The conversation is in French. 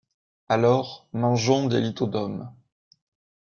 Alors, mangeons des lithodomes